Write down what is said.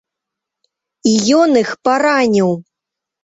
І ён іх параніў.